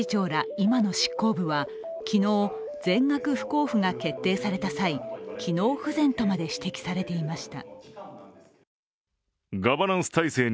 今の執行部は昨日、全額不交付が決定された際、機能不全とまで指摘されていました。